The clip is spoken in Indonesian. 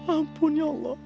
ampun ya allah